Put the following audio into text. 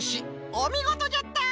おみごとじゃった！